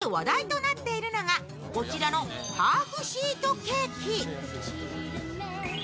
そんなコストコで話題となっているのが、こちらのハーフシートケーキ。